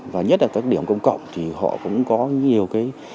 và nhất là các điểm công cộng thì họ cũng có nhiều cái